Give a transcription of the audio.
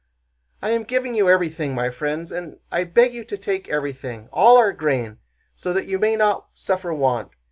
I am giving you everything, my friends, and I beg you to take everything, all our grain, so that you may not suffer want!